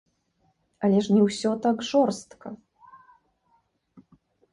Але ж не ўсё так жорстка.